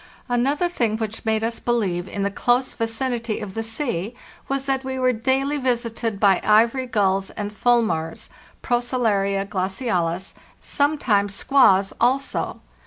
Another thing which made us believe in the close vicinity of the sea was that we were daily visited by ivory gulls and fulmars (Procellaria glacialis), sometimes skuas also.